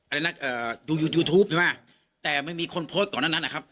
อะไรนะเอ่อยูทูปใช่ไหมแต่ไม่มีคนโพสต์ก่อนนั้นนั้นนะครับ